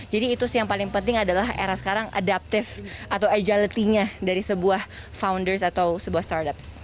jadi itu sih yang paling penting adalah era sekarang adaptif atau agility nya dari sebuah founders atau sebuah startups